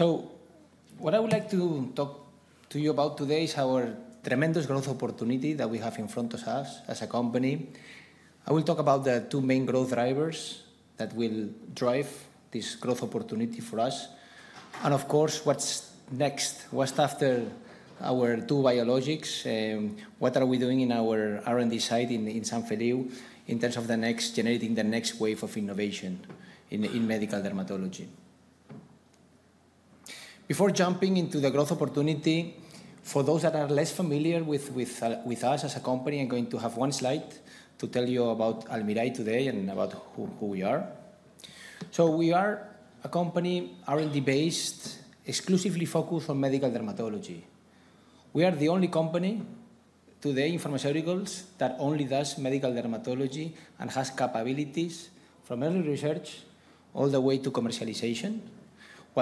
What I would like to talk to you about today is our tremendous growth opportunity that we have in front of us as a company. I will talk about the two main growth drivers that will drive this growth opportunity for us. And of course, what's next? What's after our two biologics? What are we doing in our R&D side in Sant Feliu de Llobregat in terms of generating the next wave of innovation in medical dermatology? Before jumping into the growth opportunity, for those that are less familiar with us as a company, I'm going to have one slide to tell you about Almirall today and about who we are. So we are a company R&D-based, exclusively focused on medical dermatology. We are the only company today in pharmaceuticals that only does medical dermatology and has capabilities from early research all the way to commercialization.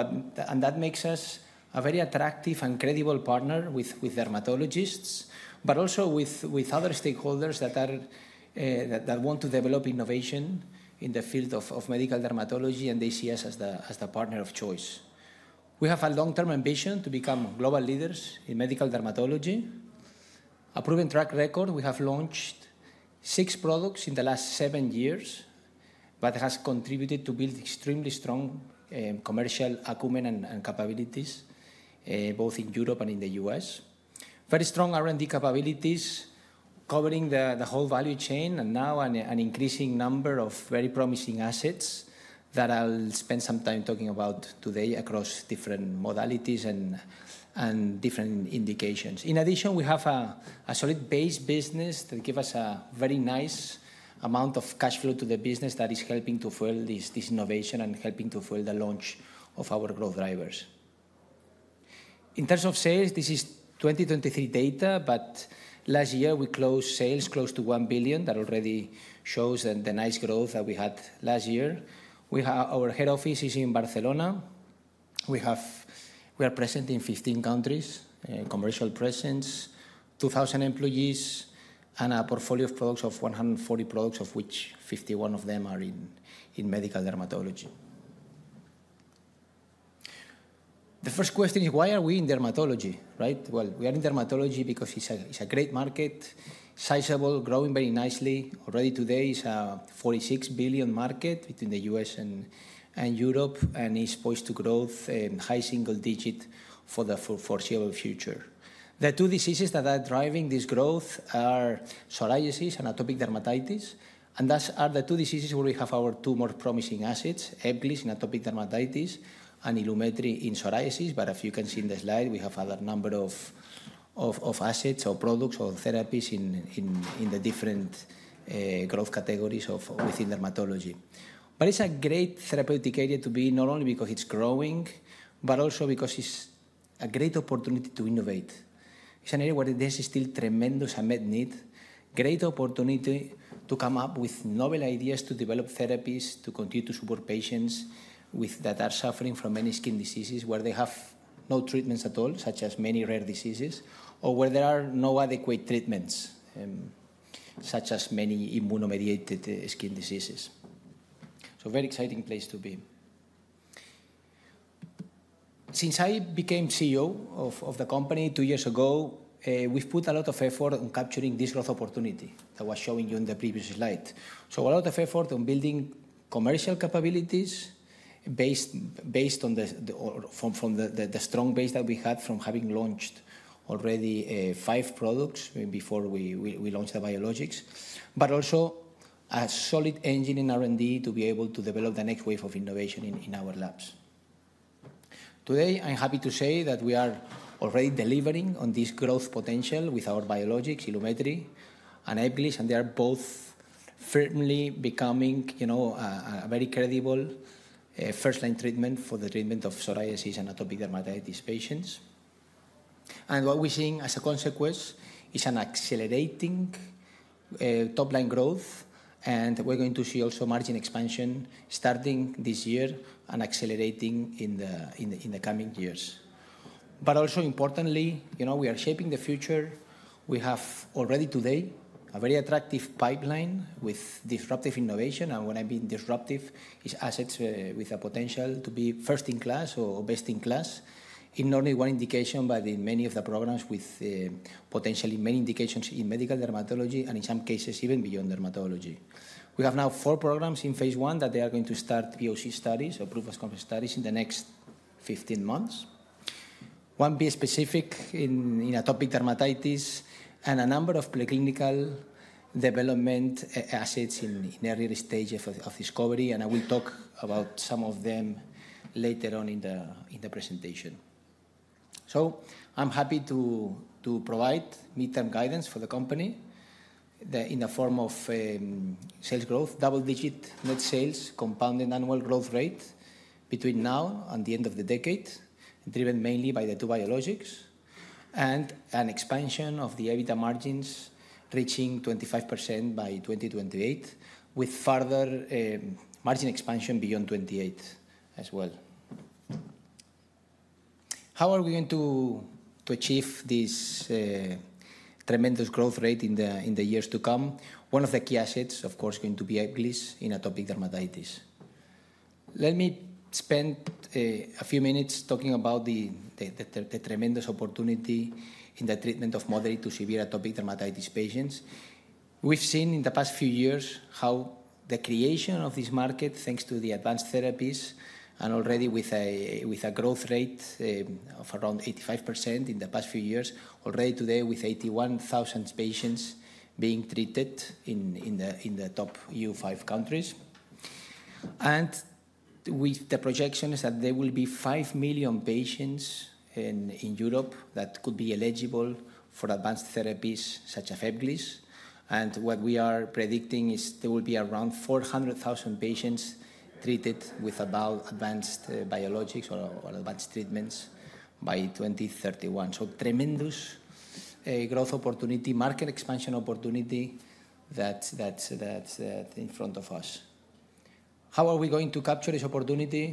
That makes us a very attractive and credible partner with dermatologists, but also with other stakeholders that want to develop innovation in the field of medical dermatology, and they see us as the partner of choice. We have a long-term ambition to become global leaders in medical dermatology. A proven track record, we have launched six products in the last seven years that has contributed to build extremely strong commercial execution and capabilities both in Europe and in the U.S. Very strong R&D capabilities covering the whole value chain and now an increasing number of very promising assets that I'll spend some time talking about today across different modalities and different indications. In addition, we have a solid base business that gives us a very nice amount of cash flow to the business that is helping to further this innovation and helping to further the launch of our growth drivers. In terms of sales, this is 2023 data, but last year we closed sales close to 1 billion that already shows the nice growth that we had last year. Our head office is in Barcelona. We are present in 15 countries, commercial presence, 2,000 employees, and a portfolio of products of 140 products, of which 51 of them are in medical dermatology. The first question is, why are we in dermatology? Right? We are in dermatology because it's a great market, sizable, growing very nicely. Already today, it's a $46 billion market between the U.S. and Europe, and it's poised to grow in high single digits for the foreseeable future. The two diseases that are driving this growth are psoriasis and atopic dermatitis. And those are the two diseases where we have our two most promising assets, Ebglyss in atopic dermatitis and Ilumetri in psoriasis. But if you can see in the slide, we have a number of assets or products or therapies in the different growth categories within dermatology. But it's a great therapeutic area to be, not only because it's growing, but also because it's a great opportunity to innovate. It's an area where there's still tremendous unmet need, great opportunity to come up with novel ideas to develop therapies to continue to support patients that are suffering from many skin diseases where they have no treatments at all, such as many rare diseases, or where there are no adequate treatments, such as many immuno-mediated skin diseases. So very exciting place to be. Since I became CEO of the company two years ago, we've put a lot of effort on capturing this growth opportunity that I was showing you in the previous slide. So a lot of effort on building commercial capabilities based on the strong base that we had from having launched already five products before we launched the biologics, but also a solid engine in R&D to be able to develop the next wave of innovation in our labs. Today, I'm happy to say that we are already delivering on this growth potential with our biologics, Ilumetri and Ebglyss, and they are both firmly becoming a very credible first-line treatment for the treatment of psoriasis and atopic dermatitis patients, and what we're seeing as a consequence is an accelerating top-line growth, and we're going to see also margin expansion starting this year and accelerating in the coming years. But also importantly, we are shaping the future. We have already today a very attractive pipeline with disruptive innovation. And when I mean disruptive, it's assets with a potential to be first in class or best in class in not only one indication, but in many of the programs with potentially many indications in medical dermatology and in some cases even beyond dermatology. We have now four programs in Phase 1 that they are going to start POC studies, proof of concept studies in the next 15 months. One bispecific in atopic dermatitis and a number of preclinical development assets in earlier stages of discovery, and I will talk about some of them later on in the presentation. I'm happy to provide mid-term guidance for the company in the form of sales growth, double-digit net sales, compound annual growth rate between now and the end of the decade, driven mainly by the two biologics, and an expansion of the EBITDA margins reaching 25% by 2028 with further margin expansion beyond 28% as well. How are we going to achieve this tremendous growth rate in the years to come? One of the key assets, of course, is going to be Ebglyss in atopic dermatitis. Let me spend a few minutes talking about the tremendous opportunity in the treatment of moderate-to-severe atopic dermatitis patients. We've seen in the past few years how the creation of this market, thanks to the advanced therapies, and already with a growth rate of around 85% in the past few years, already today with 81,000 patients being treated in the top five countries. With the projections that there will be five million patients in Europe that could be eligible for advanced therapies such as Ebglyss. What we are predicting is there will be around 400,000 patients treated with advanced biologics or advanced treatments by 2031. Tremendous growth opportunity, market expansion opportunity that's in front of us. How are we going to capture this opportunity?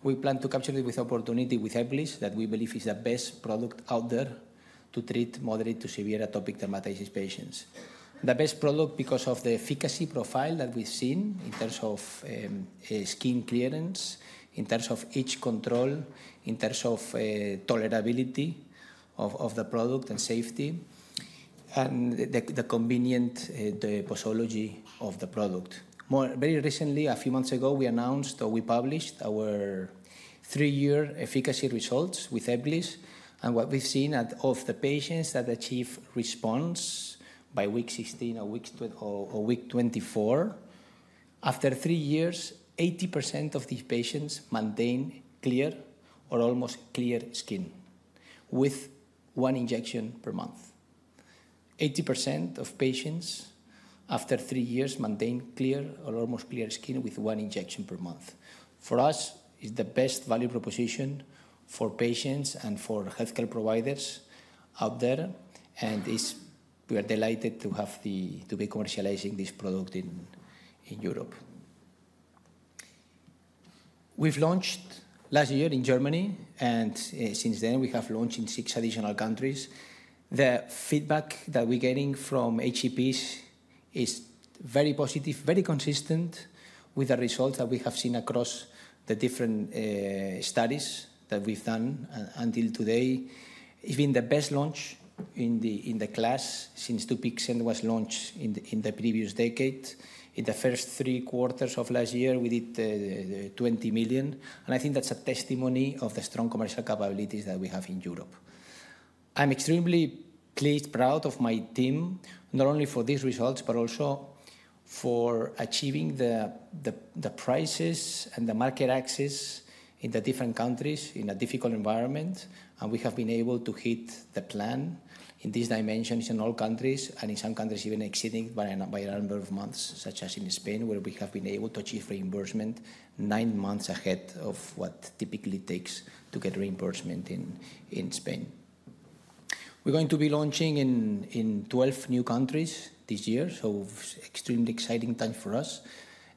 We plan to capture this opportunity with Ebglyss that we believe is the best product out there to treat moderate to severe atopic dermatitis patients. The best product because of the efficacy profile that we've seen in terms of skin clearance, in terms of itch control, in terms of tolerability of the product and safety, and the convenient posology of the product. Very recently, a few months ago, we announced or we published our three-year efficacy results with Ebglyss. And what we've seen of the patients that achieve response by week 16 or week 24, after three years, 80% of these patients maintain clear or almost clear skin with one injection per month. 80% of patients after three years maintain clear or almost clear skin with one injection per month. For us, it's the best value proposition for patients and for healthcare providers out there. And we are delighted to be commercializing this product in Europe. We've launched last year in Germany, and since then, we have launched in six additional countries. The feedback that we're getting from HCPs is very positive, very consistent with the results that we have seen across the different studies that we've done until today. It's been the best launch in the class since Dupixent was launched in the previous decade. In the first three quarters of last year, we did 20 million. I think that's a testimony of the strong commercial capabilities that we have in Europe. I'm extremely pleased, proud of my team, not only for these results, but also for achieving the prices and the market access in the different countries in a difficult environment. We have been able to hit the plan in these dimensions in all countries, and in some countries, even exceeding by a number of months, such as in Spain, where we have been able to achieve reimbursement nine months ahead of what typically takes to get reimbursement in Spain. We're going to be launching in 12 new countries this year, so extremely exciting time for us.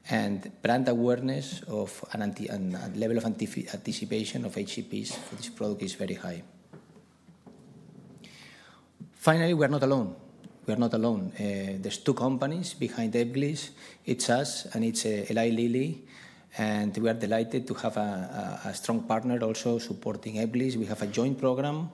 And brand awareness of a level of anticipation of HCPs for this product is very high. Finally, we are not alone. We are not alone. There's two companies behind Ebglyss. It's us, and it's Eli Lilly. And we are delighted to have a strong partner also supporting Ebglyss. We have a joint program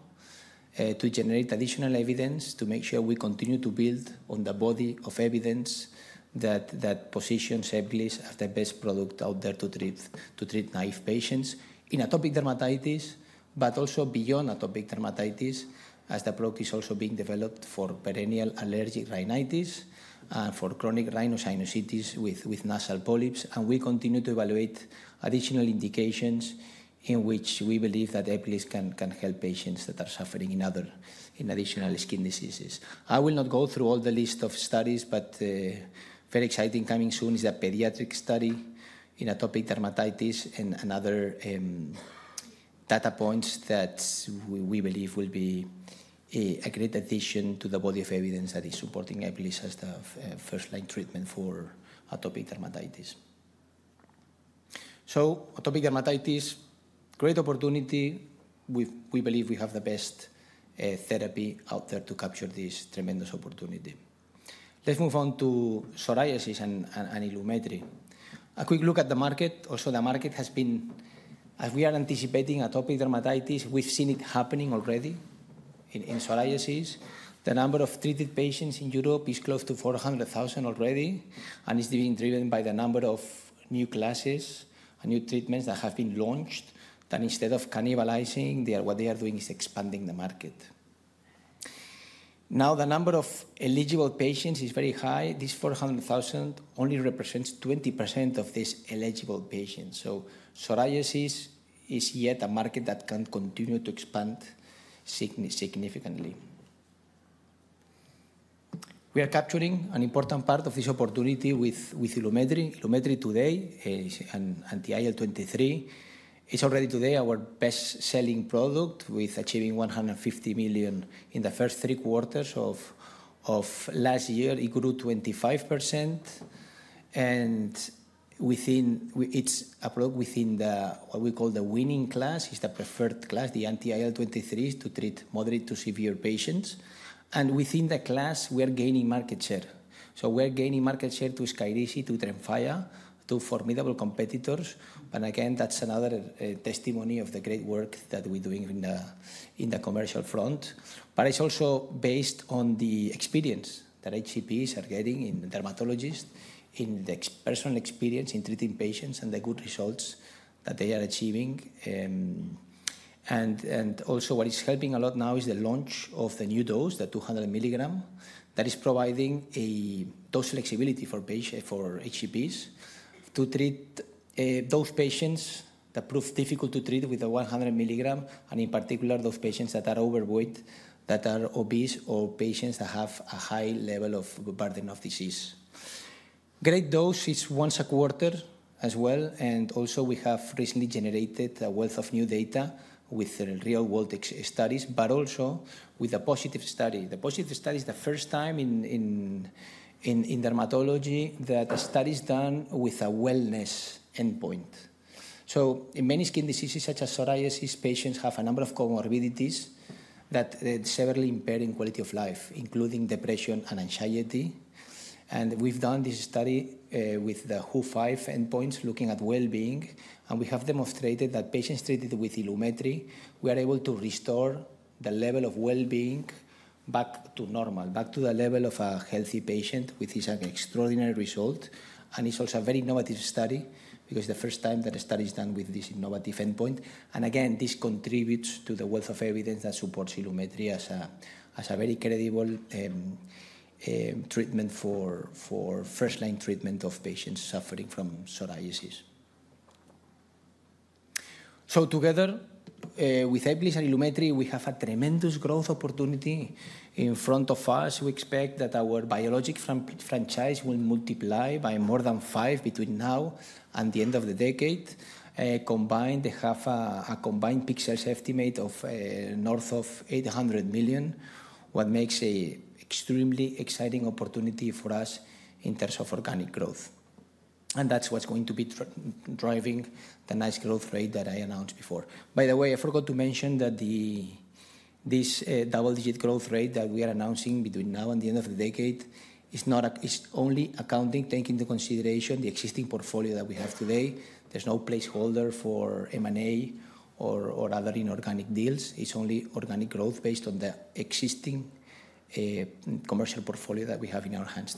to generate additional evidence to make sure we continue to build on the body of evidence that positions Ebglyss as the best product out there to treat naive patients in atopic dermatitis, but also beyond atopic dermatitis, as the product is also being developed for perennial allergic rhinitis and for chronic rhinosinusitis with nasal polyps, and we continue to evaluate additional indications in which we believe that Ebglyss can help patients that are suffering in additional skin diseases. I will not go through all the list of studies, but very exciting coming soon is a pediatric study in atopic dermatitis and other data points that we believe will be a great addition to the body of evidence that is supporting Ebglyss as the first-line treatment for atopic dermatitis, so atopic dermatitis [is a] great opportunity. We believe we have the best therapy out there to capture this tremendous opportunity. Let's move on to psoriasis and Ilumetri. A quick look at the market. Also, the market has been, as we are anticipating atopic dermatitis, we've seen it happening already in psoriasis. The number of treated patients in Europe is close to 400,000 already, and it's being driven by the number of new classes and new treatments that have been launched that instead of cannibalizing, what they are doing is expanding the market. Now, the number of eligible patients is very high. This 400,000 only represents 20% of these eligible patients. So psoriasis is yet a market that can continue to expand significantly. We are capturing an important part of this opportunity with Ilumetri. Ilumetri today, anti-IL-23, is already today our best-selling product with achieving 150 million in the first three quarters of last year. It grew 25%, and it's a product within what we call the winning class. It's the preferred class, the anti-IL-23, to treat moderate-to-severe patients, and within the class, we are gaining market share, so we're gaining market share to Skyrizi, to Tremfya, to formidable competitors, but again, that's another testimony of the great work that we're doing in the commercial front, but it's also based on the experience that HCPs are getting in dermatologists, in the personal experience in treating patients and the good results that they are achieving. And also, what is helping a lot now is the launch of the new dose, the 200 milligram, that is providing dose flexibility for HCPs to treat those patients that prove difficult to treat with the 100 milligram, and in particular, those patients that are overweight, that are obese, or patients that have a high level of burden of disease. The dose is once a quarter as well. And also, we have recently generated a wealth of new data with real-world studies, but also with a POSITIVE study. The POSITIVE study is the first time in dermatology that a study is done with a wellness endpoint. In many skin diseases such as psoriasis, patients have a number of comorbidities that severely impair quality of life, including depression and anxiety. And we've done this study with the WHO-5 endpoints looking at well-being. We have demonstrated that patients treated with Ilumetri, we are able to restore the level of well-being back to normal, back to the level of a healthy patient, which is an extraordinary result. It's also a very innovative study because it's the first time that a study is done with this innovative endpoint. Again, this contributes to the wealth of evidence that supports Ilumetri as a very credible treatment for first-line treatment of patients suffering from psoriasis. Together with Ebglyss and Ilumetri, we have a tremendous growth opportunity in front of us. We expect that our biologic franchise will multiply by more than five between now and the end of the decade. Combined, they have a combined peak sales estimate of north of 800 million, what makes an extremely exciting opportunity for us in terms of organic growth. And that's what's going to be driving the nice growth rate that I announced before. By the way, I forgot to mention that this double-digit growth rate that we are announcing between now and the end of the decade is only accounting, taking into consideration the existing portfolio that we have today. There's no placeholder for M&A or other inorganic deals. It's only organic growth based on the existing commercial portfolio that we have in our hands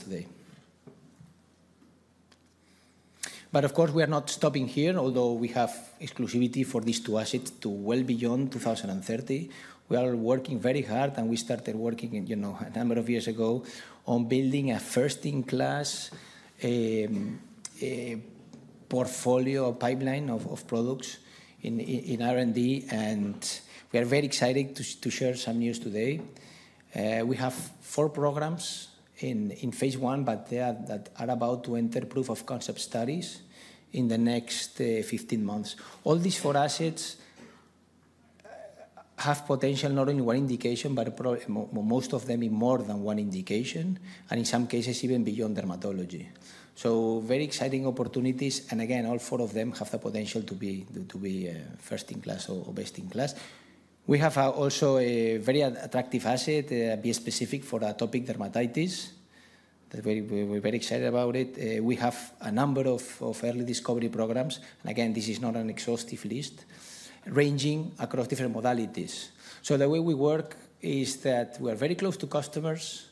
today. But of course, we are not stopping here, although we have exclusivity for these two assets to well beyond 2030. We are working very hard, and we started working a number of years ago on building a first-in-class portfolio pipeline of products in R&D. And we are very excited to share some news today. We have four programs in Phase 1, but they are about to enter proof-of-concept studies in the next 15 months. All these four assets have potential, not only one indication, but most of them in more than one indication, and in some cases, even beyond dermatology, so very exciting opportunities, and again, all four of them have the potential to be first-in-class or best-in-class. We have also a very attractive asset, bispecific for atopic dermatitis. We're very excited about it. We have a number of early discovery programs, and again, this is not an exhaustive list ranging across different modalities, so the way we work is that we are very close to customers,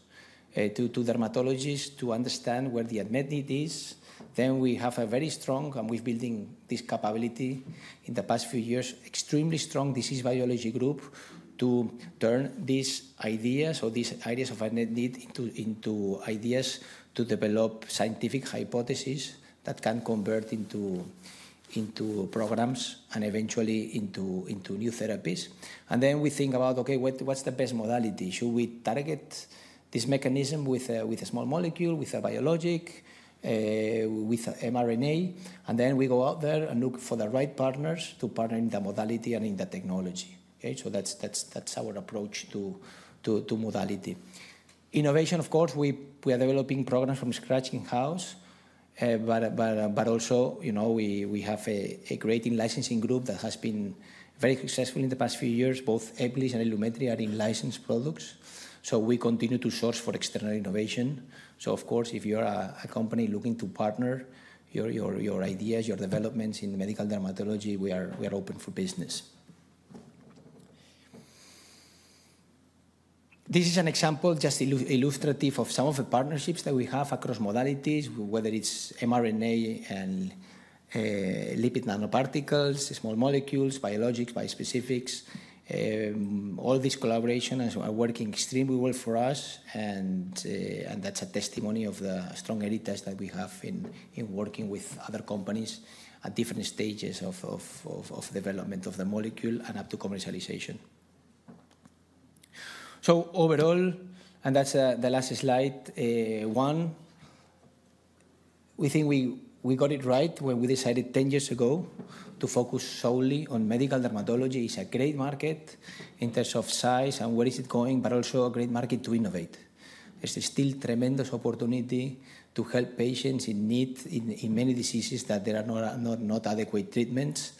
to dermatologists, to understand where the unmet need is. Then we have a very strong, and we've been building this capability in the past few years, extremely strong disease biology group to turn these ideas or these ideas of unmet need into ideas to develop scientific hypotheses that can convert into programs and eventually into new therapies. And then we think about, okay, what's the best modality? Should we target this mechanism with a small molecule, with a biologic, with mRNA? And then we go out there and look for the right partners to partner in the modality and in the technology. So that's our approach to modality. Innovation, of course, we are developing programs from scratch in-house. But also, we have a creative licensing group that has been very successful in the past few years. Both Ebglyss and Ilumetri are in-licensed products. So we continue to source for external innovation. So of course, if you are a company looking to partner your ideas, your developments in medical dermatology, we are open for business. This is an example just illustrative of some of the partnerships that we have across modalities, whether it's mRNA and lipid nanoparticles, small molecules, biologics, bispecifics. All this collaboration is working extremely well for us. And that's a testimony of the strong evidence that we have in working with other companies at different stages of development of the molecule and up to commercialization. So overall, and that's the last slide, one, we think we got it right when we decided 10 years ago to focus solely on medical dermatology. It's a great market in terms of size and where is it going, but also a great market to innovate. There's still tremendous opportunity to help patients in need in many diseases that there are not adequate treatments.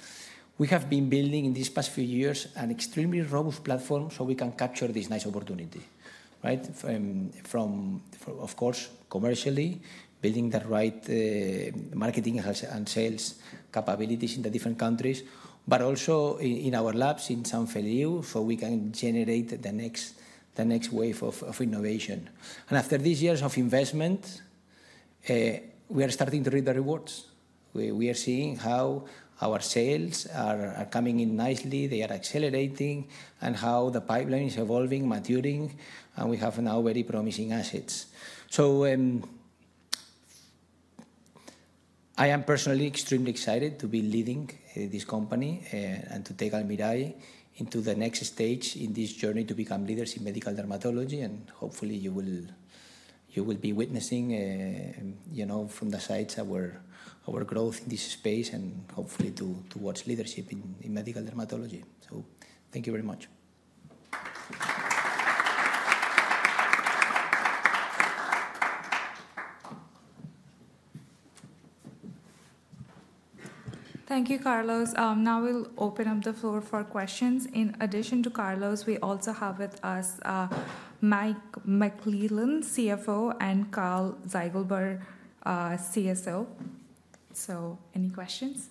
We have been building in these past few years an extremely robust platform so we can capture this nice opportunity, right? Of course, commercially, building the right marketing and sales capabilities in the different countries, but also in our labs in Sant Feliu so we can generate the next wave of innovation, and after these years of investment, we are starting to reap the rewards. We are seeing how our sales are coming in nicely. They are accelerating and how the pipeline is evolving, maturing, and we have now very promising assets, so I am personally extremely excited to be leading this company and to take Almirall into the next stage in this journey to become leaders in medical dermatology, and hopefully, you will be witnessing from the sides our growth in this space and hopefully towards leadership in medical dermatology, so thank you very much. Thank you, Carlos. Now we'll open up the floor for questions. In addition to Carlos, we also have with us Mike McClellan, CFO, and Karl Ziegelbauer, CSO. So any questions?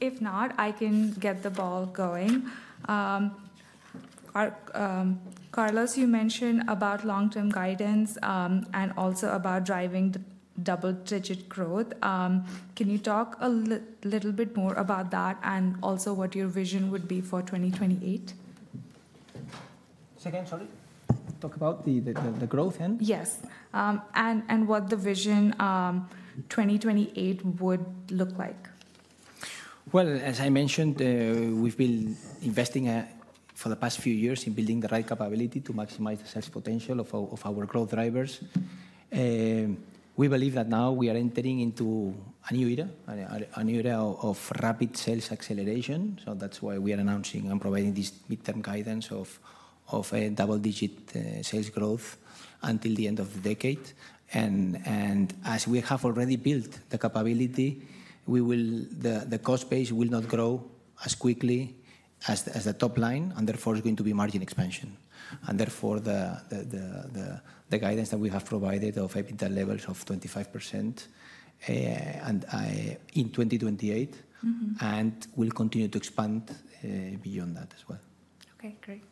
If not, I can get the ball going. Carlos, you mentioned about long-term guidance and also about driving double-digit growth. Can you talk a little bit more about that and also what your vision would be for 2028? Say again, sorry. Talk about the growth end? Yes. And what the vision 2028 would look like? Well, as I mentioned, we've been investing for the past few years in building the right capability to maximize the sales potential of our growth drivers. We believe that now we are entering into a new era of rapid sales acceleration. So that's why we are announcing and providing this midterm guidance of double-digit sales growth until the end of the decade. As we have already built the capability, the cost base will not grow as quickly as the top line, and therefore it's going to be margin expansion. Therefore, the guidance that we have provided of EBITDA levels of 25% in 2028, and we'll continue to expand beyond that as well. Okay, great.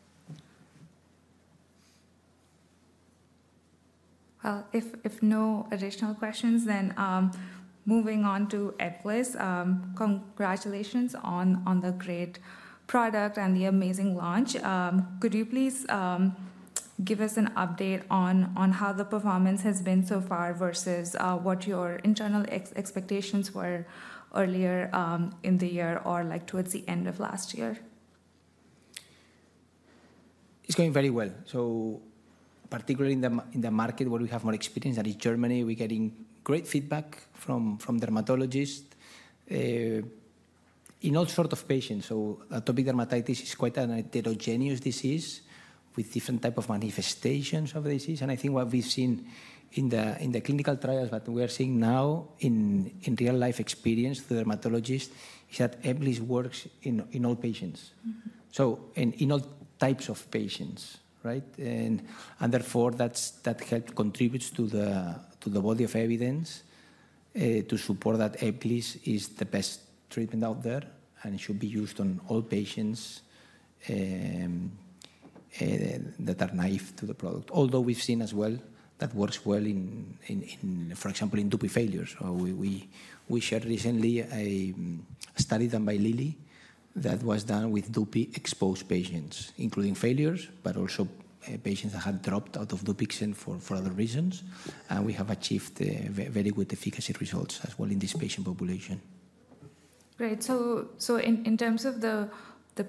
If no additional questions, then moving on to Ebglyss. Congratulations on the great product and the amazing launch. Could you please give us an update on how the performance has been so far versus what your internal expectations were earlier in the year or towards the end of last year? It's going very well. Particularly in the market where we have more experience, that is Germany, we're getting great feedback from dermatologists in all sorts of patients. Atopic dermatitis is quite an heterogeneous disease with different types of manifestations of the disease. And I think what we've seen in the clinical trials that we are seeing now in real-life experience to the dermatologist is that Ebglyss works in all patients, so in all types of patients, right? And therefore, that help contributes to the body of evidence to support that Ebglyss is the best treatment out there and should be used on all patients that are naive to the product. Although we've seen as well that works well, for example, in Dupixent failures. So we shared recently a study done by Lilly that was done with Dupixent-exposed patients, including failures, but also patients that had dropped out of Dupixent for other reasons. And we have achieved very good efficacy results as well in this patient population. Great. So in terms of the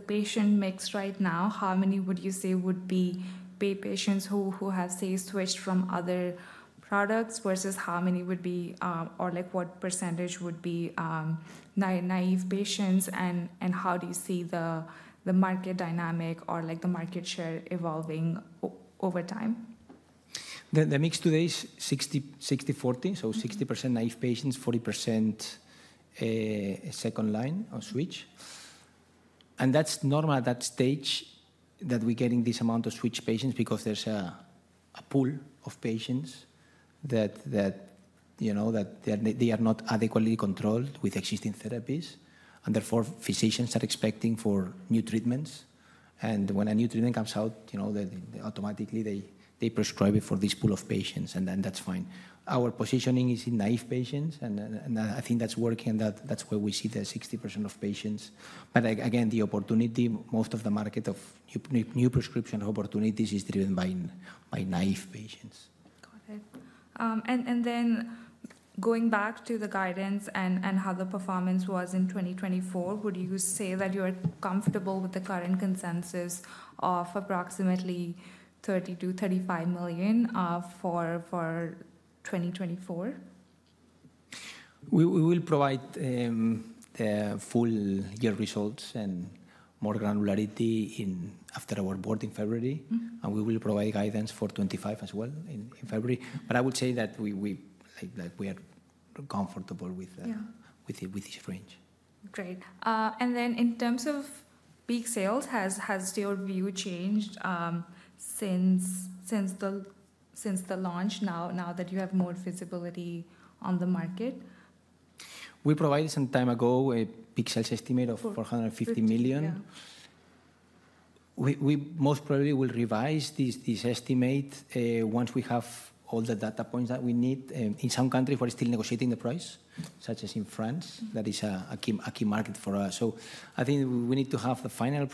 patient mix right now, how many would you say would be the patients who have switched from other products versus how many would be, or what percentage would be naive patients, and how do you see the market dynamic or the market share evolving over time? The mix today is 60-40, so 60% naive patients, 40% second line or switch. And that's normal at that stage that we're getting this amount of switch patients because there's a pool of patients that they are not adequately controlled with existing therapies, and therefore, physicians are expecting for new treatments. And when a new treatment comes out, automatically, they prescribe it for this pool of patients, and then that's fine. Our positioning is in naive patients, and I think that's working, and that's where we see the 60% of patients. The opportunity, most of the market of new prescription opportunities is driven by naive patients. Got it. Then going back to the guidance and how the performance was in 2024, would you say that you are comfortable with the current consensus of approximately 30 million-35 million for 2024? We will provide full year results and more granularity after our board in February. We will provide guidance for 2025 as well in February. I would say that we are comfortable with this range. Great. Then in terms of peak sales, has your view changed since the launch now that you have more visibility on the market? We provided some time ago a peak sales estimate of 450 million. We most probably will revise this estimate once we have all the data points that we need. In some countries where we're still negotiating the price, such as in France, that is a key market for us. So I think we need to have the final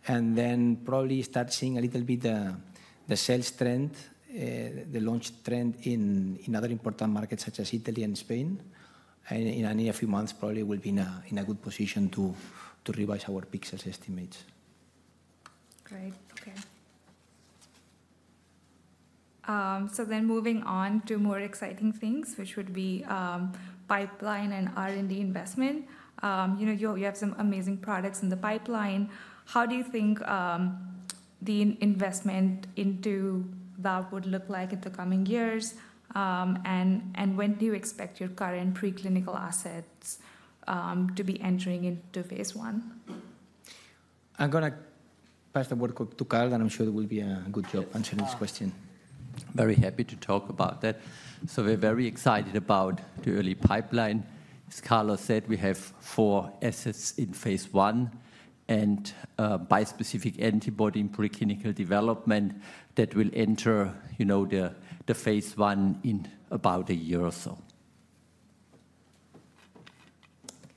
prices and then probably start seeing a little bit the sales trend, the launch trend in other important markets such as Italy and Spain. And in a few months, probably we'll be in a good position to revise our peak sales estimates. Great. Okay. So then moving on to more exciting things, which would be pipeline and R&D investment. You have some amazing products in the pipeline. How do you think the investment into that would look like in the coming years? And when do you expect your current preclinical assets to be entering into Phase 1? I'm going to pass the word to Karl, and I'm sure it will be a good job answering this question. Very happy to talk about that. So we're very excited about the early pipeline. As Karl said, we have four assets in Phase 1 and bispecific antibody preclinical development that will enter the Phase 1 in about a year or so.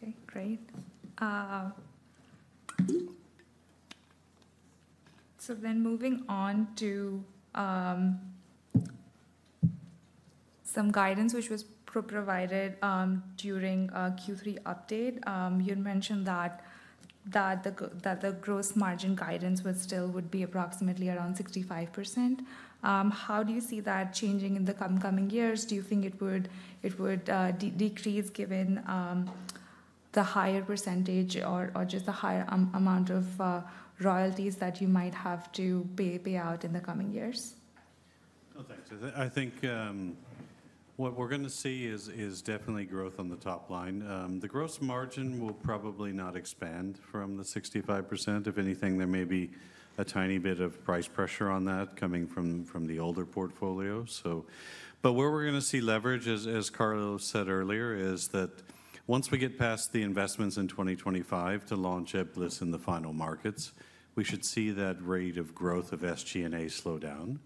Okay, great. So then moving on to some guidance which was provided during Q3 update. You had mentioned that the gross margin guidance would still be approximately around 65%. How do you see that changing in the coming years? Do you think it would decrease given the higher percentage or just the higher amount of royalties that you might have to pay out in the coming years? I think what we're going to see is definitely growth on the top line. The gross margin will probably not expand from the 65%. If anything, there may be a tiny bit of price pressure on that coming from the older portfolio. But where we're going to see leverage, as Karl said earlier, is that once we get past the investments in 2025 to launch Ebglyss in the final markets, we should see that rate of growth of SG&A slow down.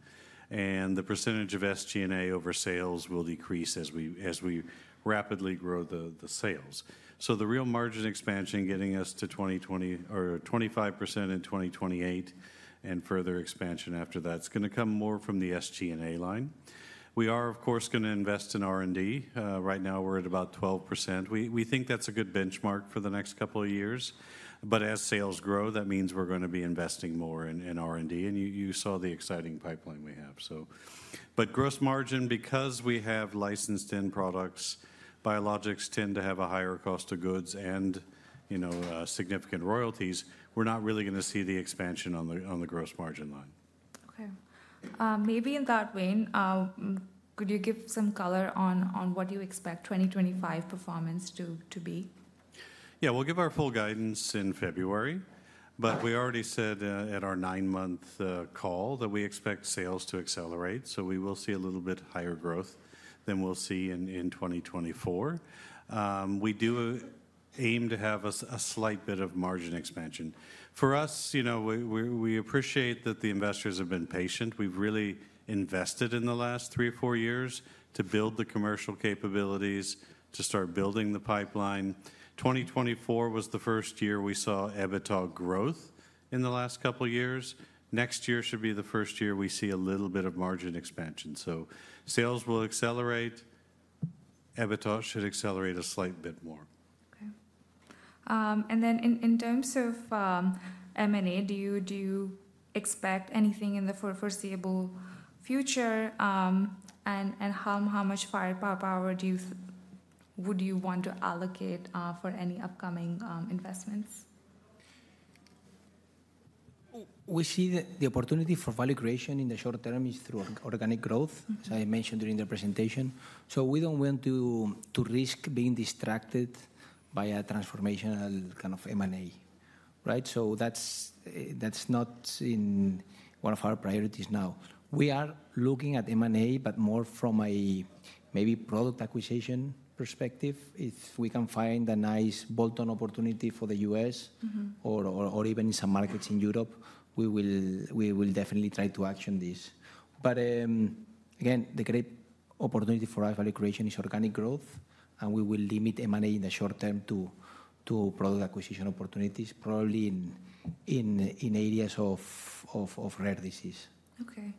And the percentage of SG&A over sales will decrease as we rapidly grow the sales. So the real margin expansion getting us to 25% in 2028 and further expansion after that is going to come more from the SG&A line. We are, of course, going to invest in R&D. Right now, we're at about 12%. We think that's a good benchmark for the next couple of years. But as sales grow, that means we're going to be investing more in R&D. And you saw the exciting pipeline we have. But gross margin, because we have licensed-in products, biologics tend to have a higher cost of goods and significant royalties. We're not really going to see the expansion on the gross margin line. Okay. Maybe in that vein, could you give some color on what you expect 2025 performance to be? Yeah, we'll give our full guidance in February. But we already said at our nine-month call that we expect sales to accelerate. So we will see a little bit higher growth than we'll see in 2024. We do aim to have a slight bit of margin expansion. For us, we appreciate that the investors have been patient. We've really invested in the last three or four years to build the commercial capabilities, to start building the pipeline. 2024 was the first year we saw EBITDA growth in the last couple of years. Next year should be the first year we see a little bit of margin expansion. So sales will accelerate. EBITDA should accelerate a slight bit more. Okay. Then in terms of M&A, do you expect anything in the foreseeable future? And how much firepower would you want to allocate for any upcoming investments? We see that the opportunity for value creation in the short term is through organic growth, as I mentioned during the presentation. We don't want to risk being distracted by a transformational kind of M&A, right? That's not in one of our priorities now. We are looking at M&A, but more from a maybe product acquisition perspective. If we can find a nice bolt-on opportunity for the U.S. or even in some markets in Europe, we will definitely try to action this. Again, the great opportunity for our value creation is organic growth, and we will limit M&A in the short term to product acquisition opportunities, probably in areas of rare disease. Okay.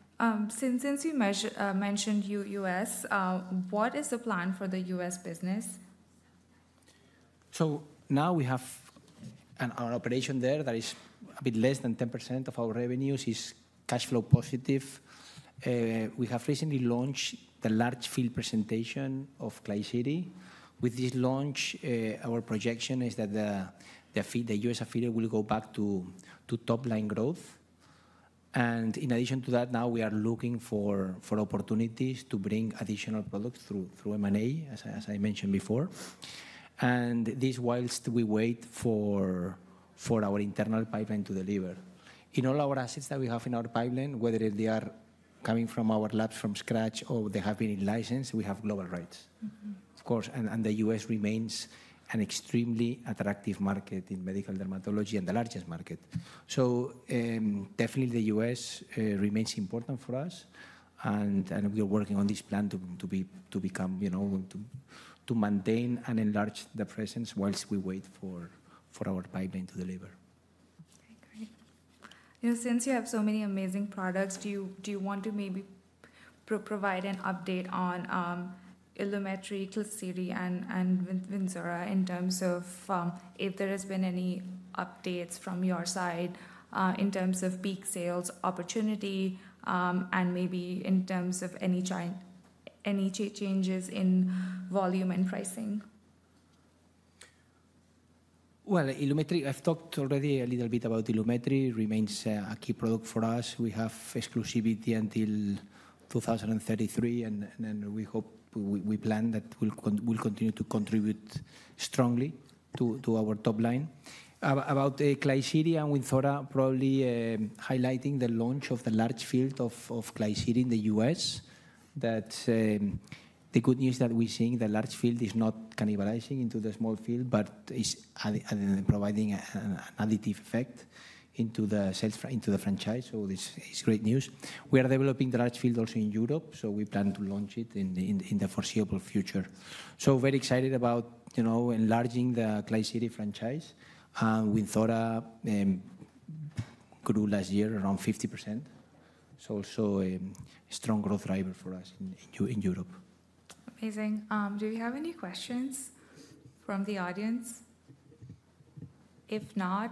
Since you mentioned U.S., what is the plan for the U.S. business? So now we have our operation there that is a bit less than 10% of our revenues is cash flow positive. We have recently launched the large field presentation of Klisyri. With this launch, our projection is that the U.S. affiliate will go back to top-line growth. And in addition to that, now we are looking for opportunities to bring additional products through M&A, as I mentioned before. And this is while we wait for our internal pipeline to deliver. In all our assets that we have in our pipeline, whether they are coming from our labs from scratch or they have been licensed, we have global rights, of course. And the U.S. remains an extremely attractive market in medical dermatology and the largest market. So definitely, the U.S. remains important for us. We are working on this plan to become, to maintain and enlarge the presence whilst we wait for our pipeline to deliver. Okay, great. Since you have so many amazing products, do you want to maybe provide an update on Ilumetri, Klisyri, and Wynzora in terms of if there have been any updates from your side in terms of peak sales opportunity and maybe in terms of any changes in volume and pricing? Well, Ilumetri, I've talked already a little bit about Ilumetri. It remains a key product for us. We have exclusivity until 2033, and we hope we plan that we'll continue to contribute strongly to our top line. About Klisyri and Wynzora, probably highlighting the launch of the large field of Klisyri in the U.S., that the good news that we're seeing, the large field is not cannibalizing into the small field, but it's providing an additive effect into the franchise. So it's great news. We are developing the large field also in Europe, so we plan to launch it in the foreseeable future. So very excited about enlarging the Klisyri franchise. Wynzora grew last year around 50%. So also a strong growth driver for us in Europe. Amazing. Do you have any questions from the audience? If not.